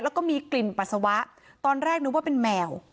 แล้วก็มีกลิ่นปัสสาวะตอนแรกนึกว่าเป็นแมว